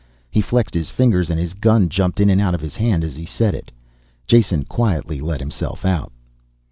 He flexed his fingers and his gun jumped in and out of his hand as he said it. Jason quietly let himself out.